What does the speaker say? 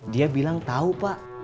dia bilang tau pak